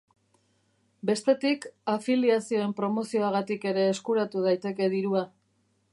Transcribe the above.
Bestetik, afiliazioen promozioagatik ere eskuratu daiteke dirua.